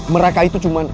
mereka itu cuman